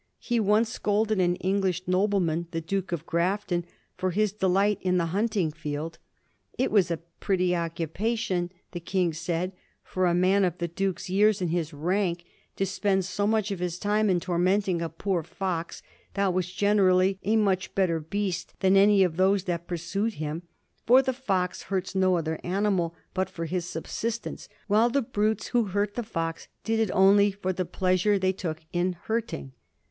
He once scolded an English nobleman, the Duke of Grafton, for his delight in the hunting field. It was a 48 A HISTORY OF THE FOUR G£0R6£a gh.zxiu. pretty occapation, the King said, for a man of the duke's yearSy and of his rank, to spend so much of his time in tormenting a poor fox, that was generally a much better beast than any of those that pursued him; for the fox hurts no other animal but for his subsistence, while the brutes who hurt the fox did it only for the pleasure they took in hurting.